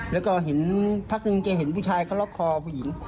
แล้วก็เห็นพักหนึ่งแกเห็นผู้ชายเขาล็อกคอผู้หญิง